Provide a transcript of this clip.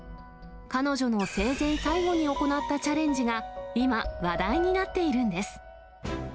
彼女の生前最後に行ったチャレンジが今、話題になっているんです。